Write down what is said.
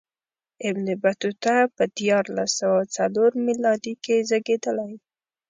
ابن بطوطه په دیارلس سوه څلور میلادي کې زېږېدلی.